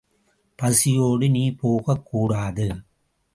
பசியோடு நீ போகக்கூடாது.